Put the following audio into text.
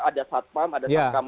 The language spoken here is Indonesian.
ada satpam ada satkam